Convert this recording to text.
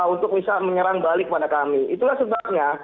untuk bisa menyerang balik pada kami itulah sebabnya